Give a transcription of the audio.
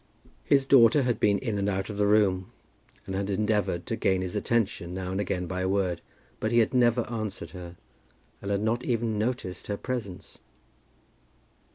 His daughter had been in and out of the room, and had endeavoured to gain his attention now and again by a word, but he had never answered her, and had not even noticed her presence.